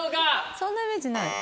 そんなイメージない？